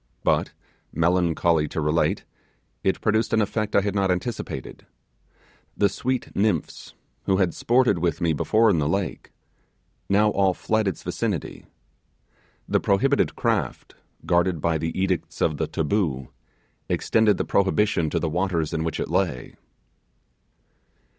But, melancholy to relate, it produced an effect I had not anticipated. The sweet nymphs, who had sported with me before on the lake, now all fled its vicinity. The prohibited craft, guarded by the edicts of the 'taboo,' extended the prohibition to the waters in which it lay.